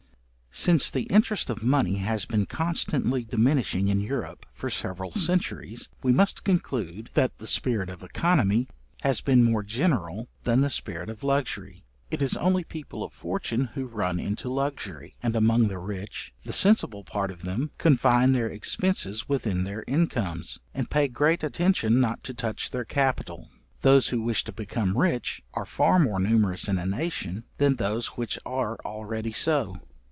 Since the interest of money has been constantly diminishing in Europe for several centuries, we must conclude, that the spirit of œconomy has been more general than the spirit of luxury. It is only people of fortune who run into luxury, and among the rich, the sensible part of them confine their expences within their incomes, and pay great attention not to touch their capital. Those who wish to become rich are far more numerous in a nation than those which are already so.